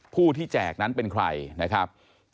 ผู้ที่แจกนั้นเป็นใครนะครับ